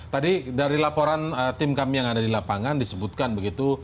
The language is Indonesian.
jadi dari laporan tim kami yang ada di lapangan disebutkan begitu